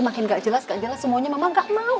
makin nggak jelas jelas semuanya mama nggak mau